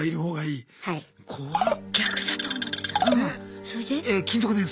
それで？